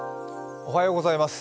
おはようございます。